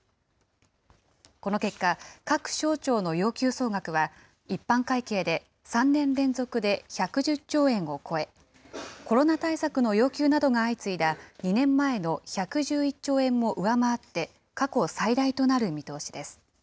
この結果、各省庁の要求総額は、一般会計で３年連続で１１０兆円を超え、コロナ対策の要求などが相次いだ２年前の１１１兆円も上回って、過去最大となる見通しです。